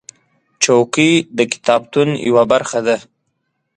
چوکۍ د کتابتون یوه برخه ده.